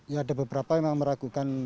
ya ada beberapa yang meragukan